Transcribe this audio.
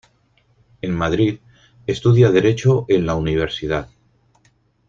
En Madrid estudia Derecho en la universidad.